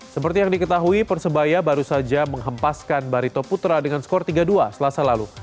seperti yang diketahui persebaya baru saja menghempaskan barito putra dengan skor tiga puluh dua selasa lalu